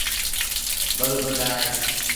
ٻرو باگآه اهي۔